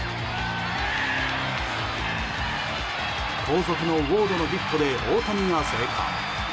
後続のウォードのヒットで大谷が生還。